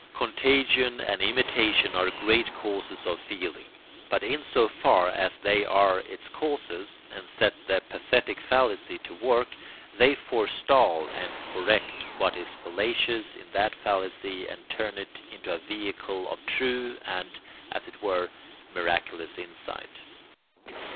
Contagion and imitation are great causes of feeling, but in so far as they are its causes and set the pathetic fallacy to work they forestall and correct what is fallacious in that fallacy and turn it into a vehicle of true and, as it were, miraculous insight.